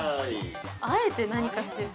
◆あえて何かしてる。